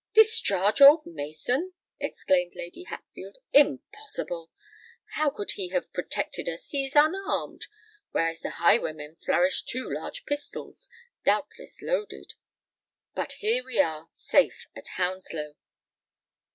"Discharge old Mason!" exclaimed Lady Hatfield: "impossible! How could he have protected us! He is unarmed—whereas the highwayman flourished two large pistols, doubtless loaded. But here we are safe at Hounslow!"